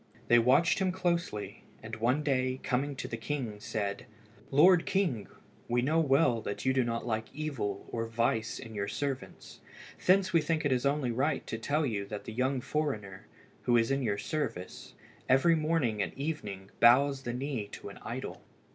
They watched him closely, and one day, coming to the king, said "Lord king, we know well that you do not like evil or vice in your servants. Thence we think it is only right to tell you that the young foreigner, who is in your service, every morning and evening bows the knee to an idol."